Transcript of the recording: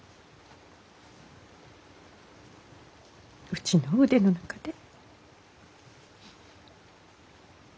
うちの腕の中で。